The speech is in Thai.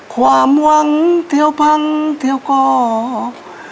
ความหวังเที่ยวพังเที่ยวกอก